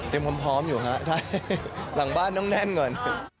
ความพร้อมอยู่ฮะใช่หลังบ้านต้องแน่นก่อน